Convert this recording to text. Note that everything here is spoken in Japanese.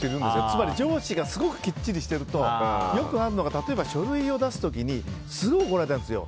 つまり上司がすごくきっちりしてるとよくあるのが例えば書類を出す時にすぐ怒られるんですよ。